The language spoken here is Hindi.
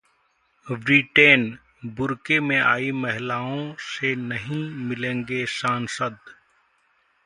ब्रिटेन: बुर्के में आई महिलाओं से नहीं मिलेंगे सांसद